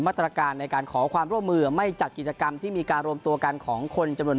มาตรการในการขอความร่วมมือไม่จัดกิจกรรมที่มีการรวมตัวกันของคนจำนวน